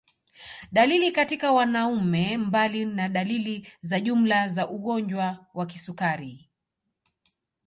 Dalili katika wanaume Mbali na dalili za jumla za ugonjwa wa kisukari